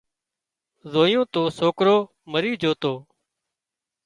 زويون تو سوڪرو مرِي جھو تو